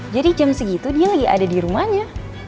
jam segitu dia lagi ada di rumahnya